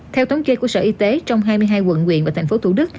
theo tống kê của sở y tế trong hai mươi hai quận nguyện và tp thủ đức